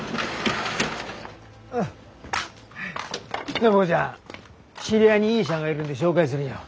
あっ暢子ちゃん知り合いにいい医者がいるんで紹介するよ。